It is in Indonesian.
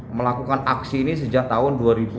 melakukan aksi ini sejak tahun dua ribu dua